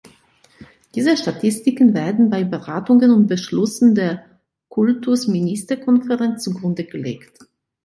Diese Statistiken werden bei Beratungen und Beschlüssen der Kultusministerkonferenz zugrunde gelegt.